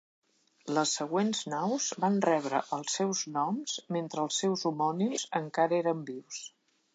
Les següents naus van rebre els seus noms mentre els seus homònims encara eren vius.